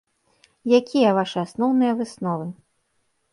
Якія вашы асноўныя высновы?